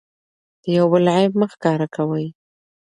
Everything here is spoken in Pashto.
د یو بل عیب مه ښکاره کوئ.